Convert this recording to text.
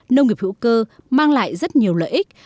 nông nghiệp hữu cơ mang lại rất nhiều lợi ích